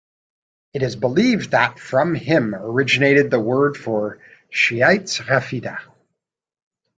It is believed that from him originated the word for Shi'ites, Rafida.